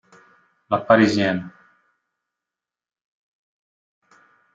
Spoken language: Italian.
La Parisienne